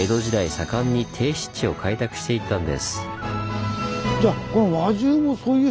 盛んに低湿地を開拓していったんです。